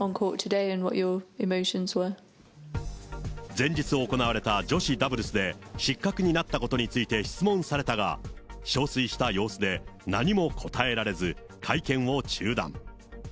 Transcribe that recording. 前日行われた女子ダブルスで失格になったことについて質問されたが、憔悴した様子で、何も答えられず、会見を中断。